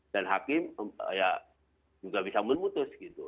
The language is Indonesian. dan hakim ya juga bisa memutus gitu